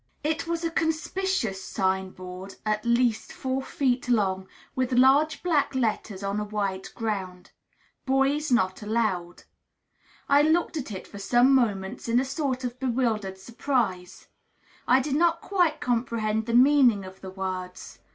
It was a conspicuous signboard, at least four feet long, with large black letters on a white ground: "Boys not allowed." I looked at it for some moments in a sort of bewildered surprise: I did not quite comprehend the meaning of the words.